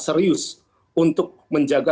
serius untuk menjaga